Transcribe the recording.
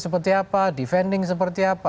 seperti apa defending seperti apa